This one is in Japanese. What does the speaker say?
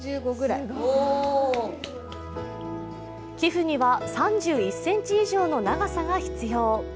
寄付には３１ｃｍ以上の長さが必要。